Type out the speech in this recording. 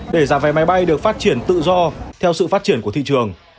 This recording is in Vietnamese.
để giá vé máy bay được phát triển tự do theo sự phát triển của thị trường